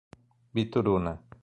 Bituruna